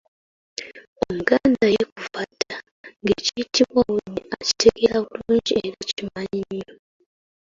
Omuganda ye kuva dda ng'ekiyitibwa obudde akitegeera bulungi era akimanyi nnyo .